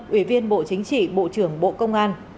ủy viên bộ chính trị bộ trưởng bộ công an